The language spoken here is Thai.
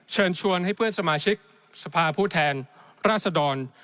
เชิญชวนให้เพื่อนสมาชิกสภาผู้แทนราษดร